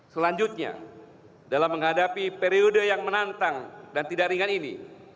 selanjutnya dalam menghadapi periode yang menantang dan tidak ringan ini